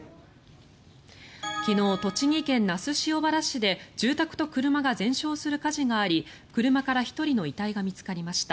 昨日、栃木県那須塩原市で住宅と車が全焼する火事があり車から１人の遺体が見つかりました。